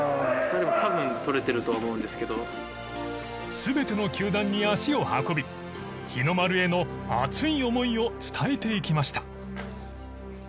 全ての球団に足を運び日の丸への熱い思いを伝えていきました。